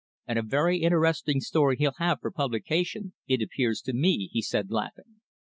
"And a very interesting story he'll have for publication, it appears to me," he said, laughing.